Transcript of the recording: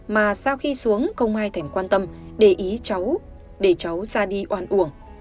mà sau khi xuống không ai thành quan tâm để ý cháu để cháu ra đi oan uổng